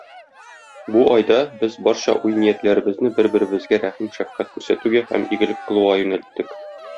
Бу айда без барча уй-ниятләребезне бер-беребезгә рәхим-шәфкать күрсәтүгә һәм игелек кылуга юнәлттек.